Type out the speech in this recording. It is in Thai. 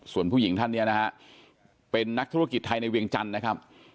ส่วนผู้หญิงท่านเนี่ยนะฮะเป็นนักธุรกิจไทยในเวียงจันทร์นะครับ